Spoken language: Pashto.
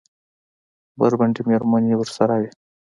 بربنډې مېرمنې ورسره وې؟